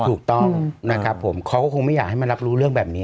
ถูกต้องนะครับผมเขาก็คงไม่อยากให้มารับรู้เรื่องแบบนี้